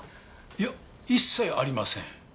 いや一切ありません。